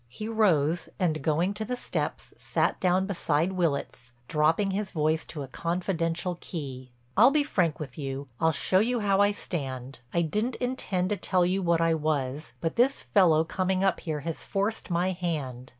He rose and, going to the steps, sat down beside Willitts, dropping his voice to a confidential key. "I'll be frank with you—I'll show you how I stand. I didn't intend to tell you what I was, but this fellow coming up here has forced my hand.